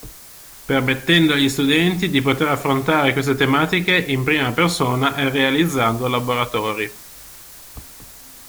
Permettendo agli studenti di poter affrontare queste tematiche in prima persona e realizzando laboratori.